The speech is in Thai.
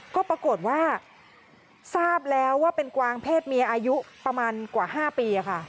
ก็ปรากฏว่าทราบแล้วว่าเป็นกวางเพศเมียอายุประมาณกว่า๕ปีค่ะ